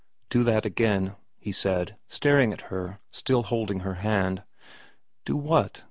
' Do that again,' he said, staring at her, still holding her hand. * Do what